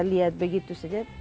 lihat begitu saja